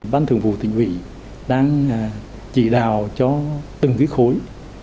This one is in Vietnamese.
bàn thường vụ tỉnh ủy đang chỉ đào cho từng cái khối